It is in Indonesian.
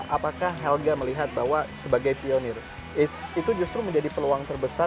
apakah helga melihat bahwa sebagai pionir itu justru menjadi peluang terbesar